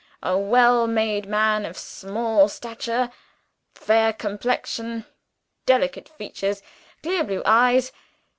A well made man of small stature. Fai r complexion, delicate features, clear blue eyes.